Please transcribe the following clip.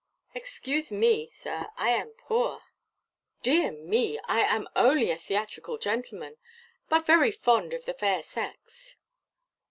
"Excuse me, Sir, I am poor." "My dear, I am only a theatrical gentleman, but very fond of the fair sex."